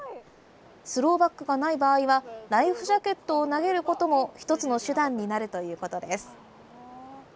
スローバックがない場合はライフジャケットを投げることも１つの手段になるということです。